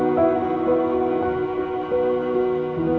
yang kau sekat dia